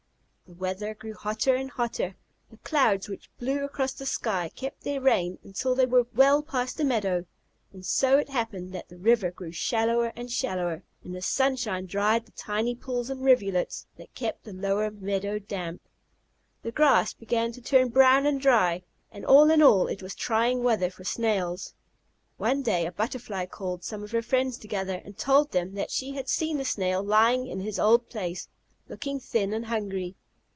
The weather grew hotter and hotter. The clouds, which blew across the sky, kept their rain until they were well past the meadow, and so it happened that the river grew shallower and shallower, and the sunshine dried the tiny pools and rivulets which kept the lower meadow damp. The grass began to turn brown and dry, and, all in all, it was trying weather for Snails. One day, a Butterfly called some of her friends together, and told them that she had seen the Snail lying in his old place, looking thin and hungry.